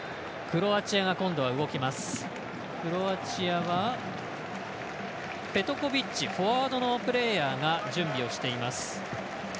クロアチアはペトコビッチフォワードのプレーヤーが準備をしています。